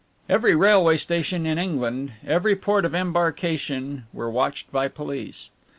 Every railway station in England, every port of embarkation, were watched by police.